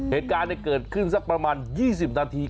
เหตุการณ์เกิดขึ้นสักประมาณ๒๐นาที